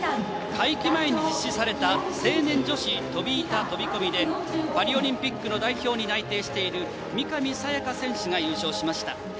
会期前に行われた成年女子飛び板飛び込みでパリオリンピックの代表に内定している三上紗也加選手が優勝しました。